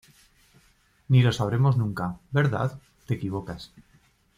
ni lo sabremos nunca, ¿ verdad? te equivocas